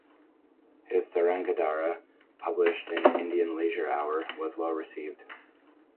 His Sarangadhara, published in "Indian Leisure Hour" was well received.